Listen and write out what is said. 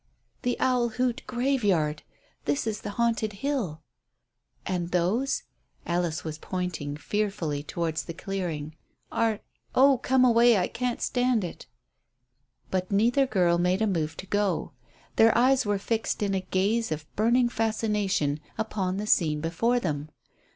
"The Owl Hoot graveyard. This is the Haunted Hill." "And those?" Alice was pointing fearfully towards the clearing. "Are Oh, come away, I can't stand it." But neither girl made a move to go. Their eyes were fixed in a gaze of burning fascination upon the scene before them.